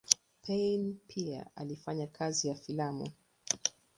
Payn pia alifanya kazi ya filamu.